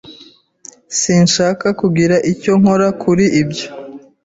Sinshaka kugira icyo nkora kuri ibyo.